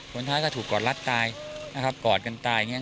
คนท้ายก็ถูกกอดรัดตายนะครับกอดกันตาย